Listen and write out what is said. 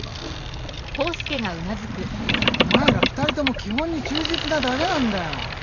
お前ら二人とも基本に忠実なだけなんだよ。